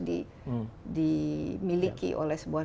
dimiliki oleh sebuah